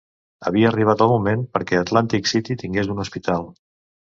Havia arribat el moment perquè Atlantic City tingués un hospital.